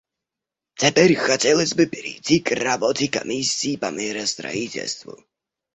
Теперь хотелось бы перейти к работе Комиссии по миростроительству.